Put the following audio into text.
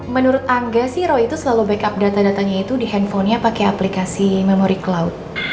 menurut angga sih roy itu selalu backup data datanya itu di handphonenya pakai aplikasi memori cloud